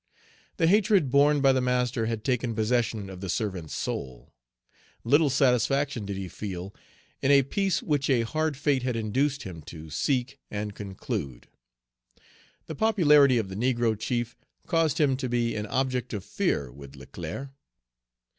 The hatred borne by the master had taken possession of the servant's soul. Little satisfaction did he feel in a peace which a hard fate had induced him to seek and conclude. The popularity of the negro chief caused him to be an object of fear with Leclerc.